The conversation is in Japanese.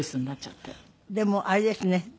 でもあれですね。